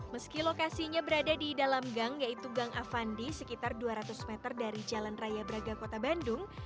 meski lokasinya berada di dalam gang yaitu gang avandi sekitar dua ratus meter dari jalan raya braga kota bandung